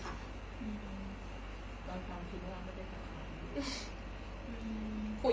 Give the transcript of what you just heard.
เก้าตามถึงแล้วมันเป็นการทำอะไร